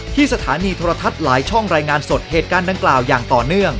สถานีโทรทัศน์หลายช่องรายงานสดเหตุการณ์ดังกล่าวอย่างต่อเนื่อง